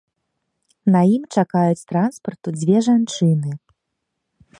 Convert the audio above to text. На ім чакаюць транспарту дзве жанчыны.